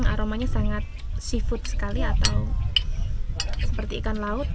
aromanya sangat seafood sekali atau seperti ikan laut